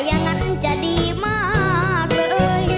อย่างนั้นจะดีมากเลย